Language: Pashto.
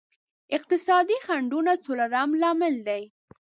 اقتصادي خنډونه څلورم لامل دی.